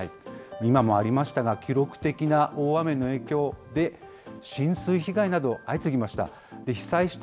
今もありましたが、記録的な大雨の影響で、浸水被害など、相次ぎました。